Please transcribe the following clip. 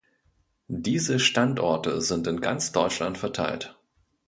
Diese Standorte sind in ganz Deutschland verteilt.